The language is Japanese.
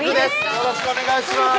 よろしくお願いします